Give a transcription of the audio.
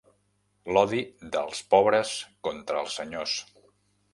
L'odi dels pobres contra els senyors.